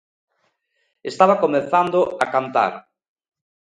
Estaba comezando a cantar.